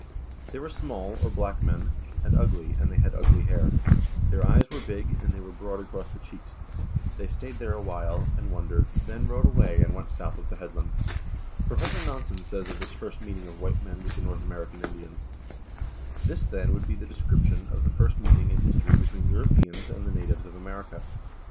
They were small (or black) men,2 and ugly, and they had ugly hair ; their eyes were big, and they were broad across the cheeks. They stayed there awhile, and wondered, then rowed away and went south of the headland." Professor Nansen says of this first meeting of white men with the North American Indians :" This, then, would be the description of the first meeting in history between Europeans and the natives of America.